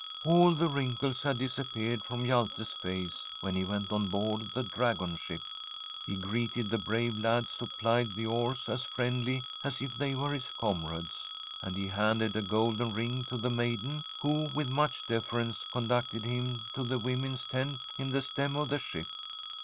All the wrinkles had disappeared from Hjalte's face when he went on board the dragon ship. He greeted the brave lads who plied the oars as friendlily as if they were his comrades, and he handed a golden ring to the maiden, who, with much deference, conducted him to the women's tent in the stem of the ship.